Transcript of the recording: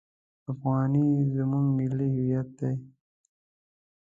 افغانۍ زموږ ملي هویت ده!